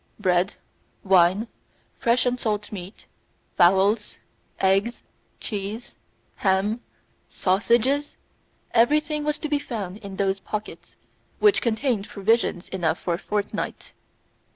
Bread, wine, fresh and salt meat, fowls, eggs, cheese, ham, sausages everything was to be found in those pockets, which contained provisions enough for a fortnight.